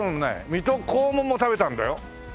水戸黄門も食べたんだよ。